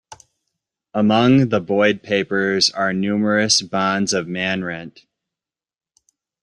Among the Boyd Papers are numerous bonds of manrent.